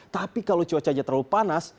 tapi kalau cuacanya terlalu panas